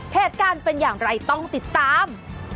เหตุการณ์เป็นอย่างไรต้องติดตาม